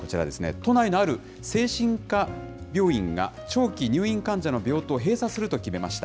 都内のある精神科病院が、長期入院患者の病棟を閉鎖すると決めました。